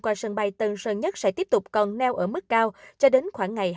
qua sân bay tân sơn nhất sẽ tiếp tục còn neo ở mức cao cho đến khoảng ngày hai mươi